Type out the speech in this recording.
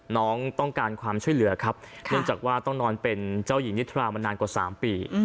น้องต้องการความช่วยเหลือครับเนื่องจากว่าต้องนอนเป็นเจ้าหญิงนิทรามานานกว่า๓ปี